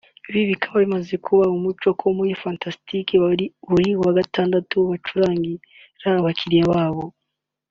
Ibi bikaba bimaze kuba umuco ko muri Fantastic Restaurant buri wa Gatatu bacurangira abakiriya babo